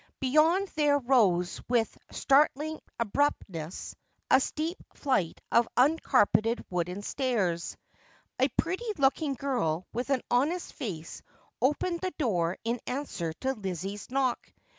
Beyond there rose with startling abruptness a steep flight of uncarpeted wooden stairs. A pretty looking girl, with an honest face, opened the door in answer to Lizzie's knock.